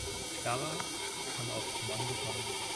Clara kann auf Kommando weinen.